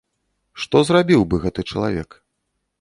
Што зрабіў бы гэты чалавек?